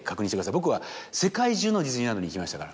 僕は世界中のディズニーランドに行きましたから。